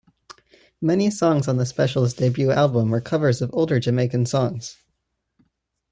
Many songs on the Specials' debut album were covers of older Jamaican songs.